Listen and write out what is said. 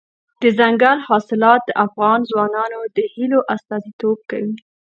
دځنګل حاصلات د افغان ځوانانو د هیلو استازیتوب کوي.